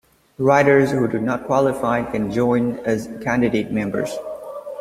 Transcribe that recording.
Writers who do not qualify can join as Candidate Members.